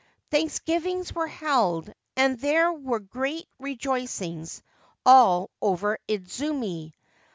Thanksgivings were held, and there were great rejoic ings all over Idzumi.